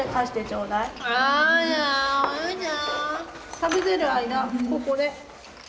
食べてる間ここで。